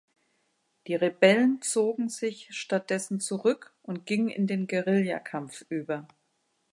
Die Rebellen zogen sich stattdessen zurück und gingen in den Guerilla-Kampf über.